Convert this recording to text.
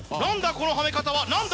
このはめ方は！何だ？